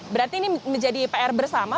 berarti ini menjadi pr bersama